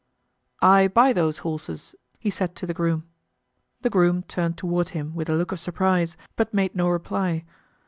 "I buy those horses," he said to the groom. The groom turned toward him with a look of surprise, but made no reply.